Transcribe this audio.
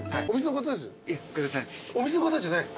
お店の方じゃない？